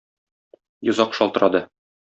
Йозак шалтырады.